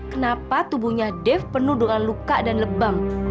kenapa tubuhnya dev penuh dengan luka dan lebam